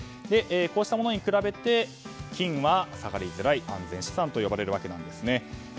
こうしたものに比べて金は下がりづらい安全資産と呼ばれるわけなんですね。